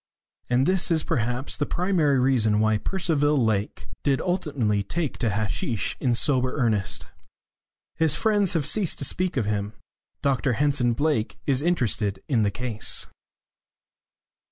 And this is perhaps the primary reason why Percival Lake did ultimately take to hasheesh in sober earnest. His friends have ceased to speak of him. Dr Henson Blake is interested in the case.